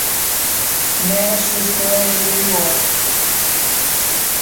Manus was born in New York.